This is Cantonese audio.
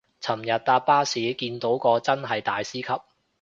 尋日搭巴士見到個真係大師級